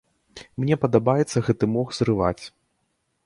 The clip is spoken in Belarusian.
Мне падабаецца гэты мох зрываць.